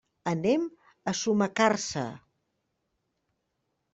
Anem a Sumacàrcer.